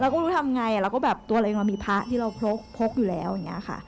ก็รู้ทำไงแล้วก็แบบตัวเราเองเรามีพระที่เราพกอยู่แล้วอย่างนี้ค่ะ